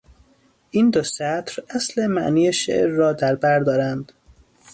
این دو سطر اصل معنی شعر را در بر دارند.